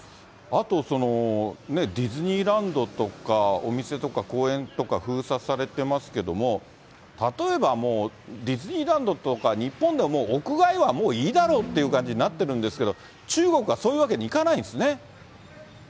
あと、ディズニーランドとかお店とか公園とか封鎖されてますけども、例えばもうディズニーランドとか、日本ではもう屋外はもういいだろうっていう感じになってるんですけど、中国はそういうわけにいかないんですね。